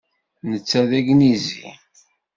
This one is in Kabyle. Netta d agnizi.